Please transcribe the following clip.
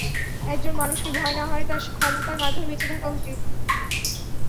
একজন মানুষকে ভয় না-হয় তার ক্ষমতার মাধ্যমে বেঁচে থাকা উচিৎ।